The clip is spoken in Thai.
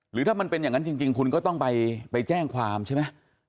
หรือถ้ามันเป็นอย่างนั้นจริงคุณก็ต้องไปแจ้งความใช่ไหม